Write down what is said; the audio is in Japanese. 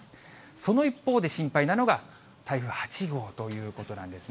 その一方で、心配なのが台風８号ということなんですね。